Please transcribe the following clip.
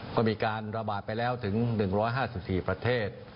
ก็มีการระบาดไปแล้วถึง๑๕๔ประเทศ